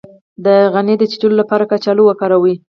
د غڼې د چیچلو لپاره کچالو وکاروئ